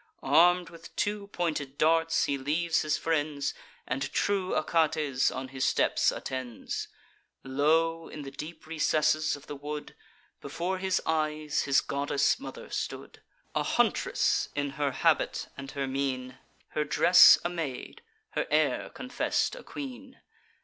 Arm'd with two pointed darts, he leaves his friends, And true Achates on his steps attends. Lo! in the deep recesses of the wood, Before his eyes his goddess mother stood: A huntress in her habit and her mien; Her dress a maid, her air confess'd a queen.